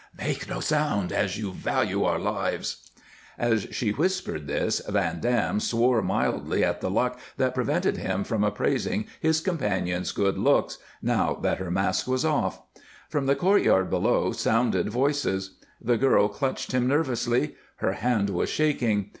"Make no sound, as you value our lives." As she whispered this, Van Dam swore mildly at the luck that prevented him from appraising his companion's good looks, now that her mask was off. From the courtyard below sounded voices. The girl clutched him nervously; her hand was shaking.